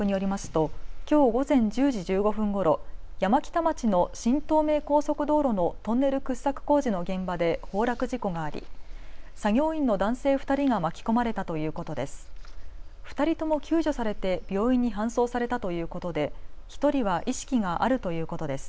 ときょう午前１０時１５分ごろ山北町の新東名高速道路のトンネル掘削工事の現場で崩落事故があり、作業員の男性２人が巻き込まれたということです。